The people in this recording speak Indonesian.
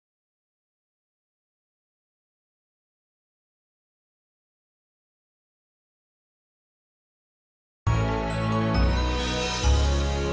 sampai jumpa lagi